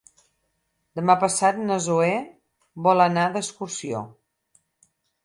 Demà passat na Zoè vol anar d'excursió.